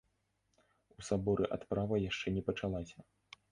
У саборы адправа яшчэ не пачалася.